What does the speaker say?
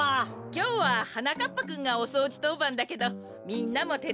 きょうははなかっぱくんがおそうじとうばんだけどみんなもてつだってあげてね！